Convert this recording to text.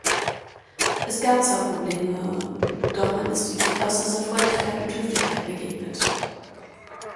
Es gab zwar Probleme, doch man ist uns mit äußerster Freundlichkeit und Höflichkeit begegnet.